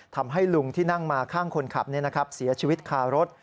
ทำให้ลุงที่นั่งมาข้างคนขับเสียชีวิตคารถ